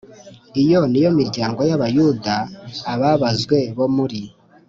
Iyo ni yo miryango y Abayuda Ababazwe bo muri